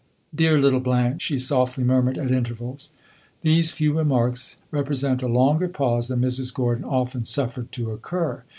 "Dear little Blanche!" she softly murmured, at intervals. These few remarks represent a longer pause than Mrs. Gordon often suffered to occur.